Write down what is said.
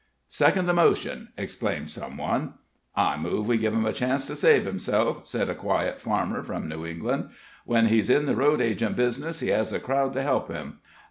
"Second the motion!" exclaimed some one. "I move we give him a chance to save himself," said a quiet farmer from New England. "When he's in the road agent business, he has a crowd to help him.